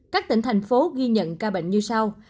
các tỉnh thành phố ghi nhận ca bệnh như sau